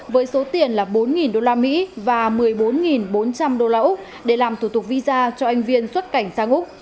với số tiền là bốn usd và một mươi bốn bốn trăm linh usd để làm thủ tục visa cho anh viên xuất cảnh sang úc